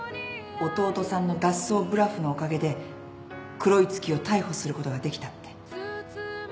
弟さんの脱走ブラフのおかげで黒い月を逮捕することができたって。